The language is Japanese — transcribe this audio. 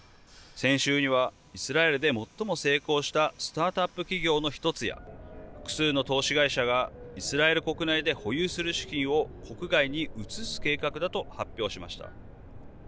先週にはイスラエルで最も成功したスタートアップ企業の１つや複数の投資会社がイスラエル国内で保有する資金を国外に移す計画だと発表しました。